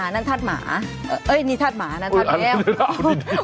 ธาตุหมานี่ธาตุหมานะธาตุแมว